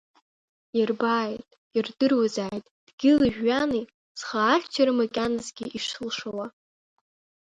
Ирбааит, ирдыруазааит, дгьыли жәҩани, схы ахьчара макьаназгьы ишсылшауа.